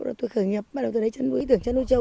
rồi tôi khởi nghiệp bắt đầu tôi lấy ý tưởng chăn nuôi châu